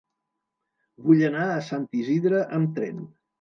Vull anar a Sant Isidre amb tren.